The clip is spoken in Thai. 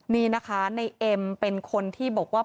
นี่นะคะในเอ็มเป็นคนที่บอกว่า